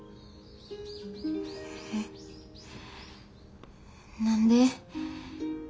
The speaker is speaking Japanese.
えっ何で？